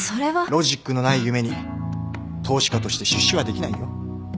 ロジックのない夢に投資家として出資はできないよ。